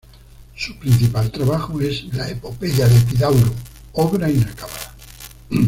Su principal trabajo es la "Epopeya de Epidauro", obra inacabada.